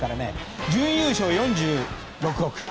準優勝、４６億。